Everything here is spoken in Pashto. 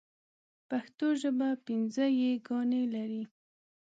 پښتو ژبه پنځه ی ګانې لري.